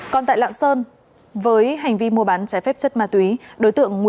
còn tại lạng sơn với hành vi mua bán trái phép chất ma tùy